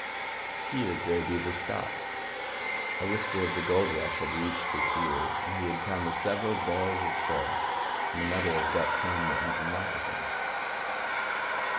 Here Grey Beaver stopped. A whisper of the gold rush had reached his ears, and he had come with several bales of furs, and another of gut sewn mittens and moccasins.